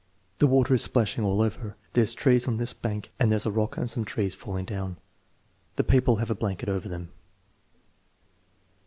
"The water is splashing all over. There's trees on this bank and there's a rock and some trees falling down. The people have a blanket over them.